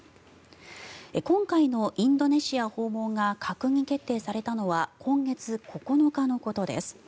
今回のインドネシア訪問が閣議決定されたのは今月９日のことです。